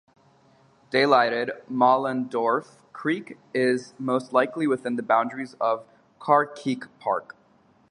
Daylighted Mohlendorph Creek is mostly within the boundaries of Carkeek Park.